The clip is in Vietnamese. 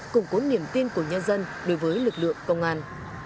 củng cố niềm tin của nhân dân đối với lực lượng công an